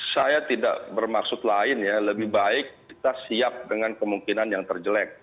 saya tidak bermaksud lain ya lebih baik kita siap dengan kemungkinan yang terjelek